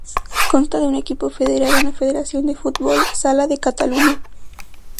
Consta de un equipo federado en la federación de fútbol sala de Cataluña.